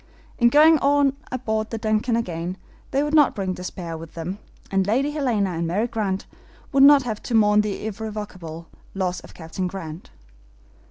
In going on board the DUNCAN again they would not bring despair with them, and Lady Helena and Mary Grant would not have to mourn the irrevocable loss of Captain Grant.